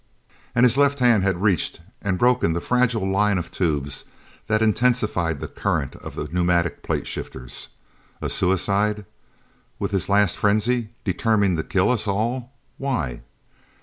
And his left hand had reached and broken the fragile line of tubes that intensified the current of the pneumatic plate shifters. A suicide? With his last frenzy, determined to kill us all? Why?